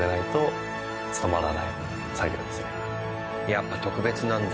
やっぱ特別なんだ。